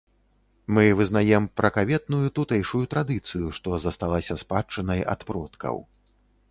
Мы вызнаем пракаветную тутэйшую традыцыю, што засталася спадчынай ад продкаў.